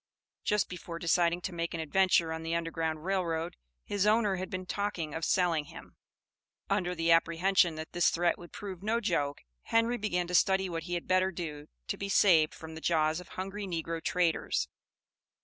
Just before deciding to make an adventure on the Underground Rail Road his owner had been talking of selling him. Under the apprehension that this threat would prove no joke, Henry began to study what he had better do to be saved from the jaws of hungry negro traders.